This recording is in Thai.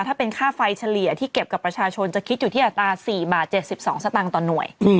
ถ้าเป็นค่าไฟเฉลี่ยที่เก็บกับประชาชนจะคิดอยู่ที่อัตรา๔บาท๗๒สตางค์ต่อหน่วย